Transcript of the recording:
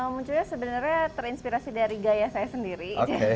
munculnya sebenarnya terinspirasi dari gaya saya sendiri